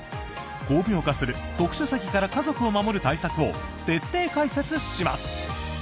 巧妙化する特殊詐欺から家族を守る対策を徹底解説します。